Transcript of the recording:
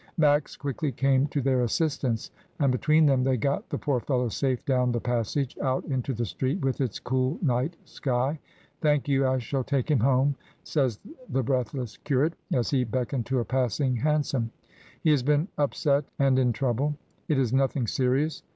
Max quickly came to their assistance, and between them they got the poor fellow safe down the passage, out into the street, with its cool night sky. "Thank you, I shall take him home," says the breathless curate, as he beckoned to a passing hansom. "He has been up set and in trouble. It is nothing serious.